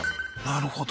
なるほど。